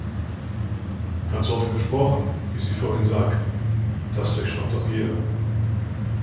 Ganz offen gesprochen, wie Sie vorhin sagten, das durchschaut doch jeder.